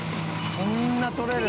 そんな取れる？